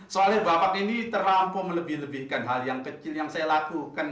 soalnya bahwa ini terlampau melebih lebihkan hal yang kecil yang saya lakukan